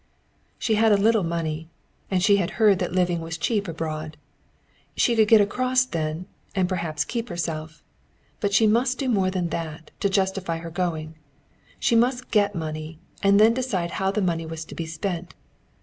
She had a little money, and she had heard that living was cheap abroad. She could get across then, and perhaps keep herself. But she must do more than that, to justify her going. She must get money, and then decide how the money was to be spent.